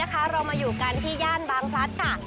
เรามาอยู่กันที่ย่านบางพลัดค่ะ